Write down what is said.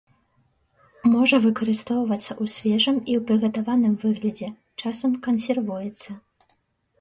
Можа выкарыстоўвацца ў свежым і прыгатаваным выглядзе, часам кансервуецца.